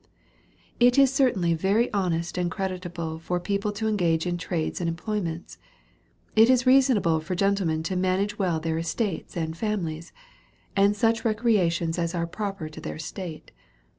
It is certainly very honest and creditable for people to engage in trades and employments ; it is reason able for gentlemen to manage well their estates and families^, and such recreations as are proper to their state.